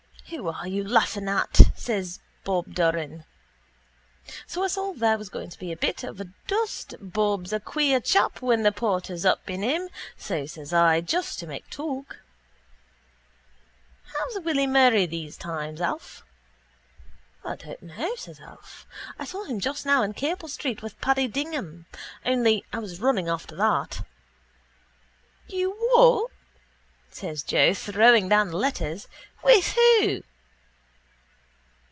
—Who are you laughing at? says Bob Doran. So I saw there was going to be a bit of a dust. Bob's a queer chap when the porter's up in him so says I just to make talk: —How's Willy Murray those times, Alf? —I don't know, says Alf. I saw him just now in Capel street with Paddy Dignam. Only I was running after that... —You what? says Joe, throwing down the letters. With who?